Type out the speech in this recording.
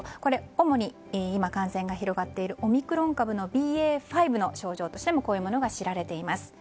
主に今、感染が広がっているオミクロン株のＢＡ．５の症状としてこういうものが知られています。